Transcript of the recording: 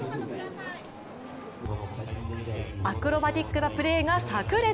アクロバティックなプレーがさく裂。